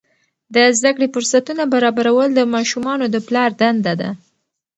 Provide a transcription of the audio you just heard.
د زده کړې فرصتونه برابرول د ماشومانو د پلار دنده ده.